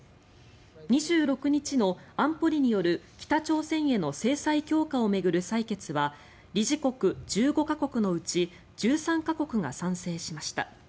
２６日の安保理による北朝鮮への制裁強化を巡る採決は理事国１５か国のうち１３か国が賛成しました。